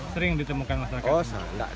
sering ditemukan masyarakat